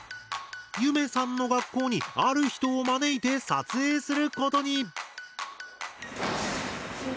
ゆめさんの学校にある人を招いて撮影することに。